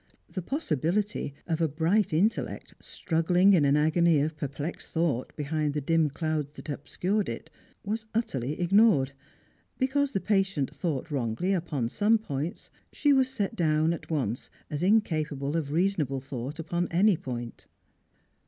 The possibility of a bright intellect struggling in an agony of per plexed thought behind the dim clouds that obscured it was utterly ignored. Because the patient thought wrongly upon some points, she was set down at once as incapable of reasonable thought upon any point.